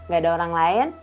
gak ada orang lain